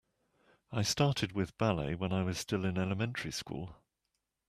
I started with ballet when I was still in elementary school.